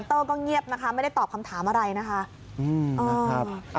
เตอร์ก็เงียบนะคะไม่ได้ตอบคำถามอะไรนะคะ